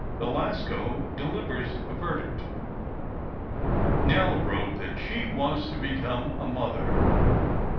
III BELASCO DELIVERS A VERDICT Nell wrote that she was to become a mother.